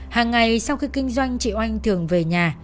hàng ngày sau khi kinh doanh chị oanh thường về nhà